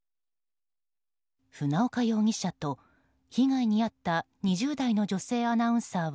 船岡容疑者と被害に遭った２０代の女性アナウンサーは